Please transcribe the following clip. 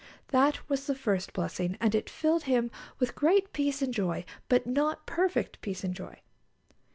That was the first blessing, and it filled him with great peace and joy, but not perfect peace and joy.